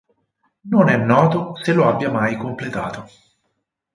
Non è noto se lo abbia mai completato.